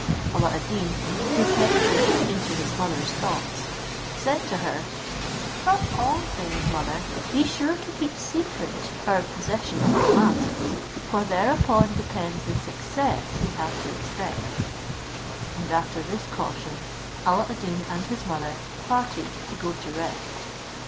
Alla ad Deen, who penetrated into his mother's thoughts, said to her, "Above all things, mother, be sure to keep secret our possession of the lamp, for thereon depends the success we have to expect;" and after this caution, Alla ad Deen and his mother parted to go to rest.